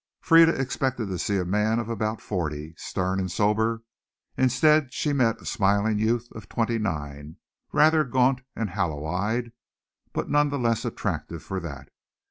Frieda expected to see a man of about forty, stern and sober. Instead she met a smiling youth of twenty nine, rather gaunt and hollow eyed, but none the less attractive for that.